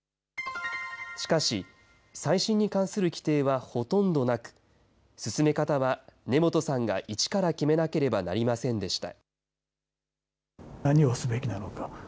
しかし、再審に関する規定はほとんどなく、進め方は根本さんが一から決めなければなりませんでした。